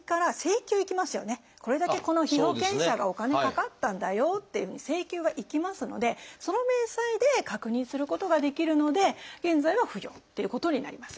これだけこの被保険者がお金かかったんだよっていうふうに請求がいきますのでその明細で確認することができるので現在は不要っていうことになります。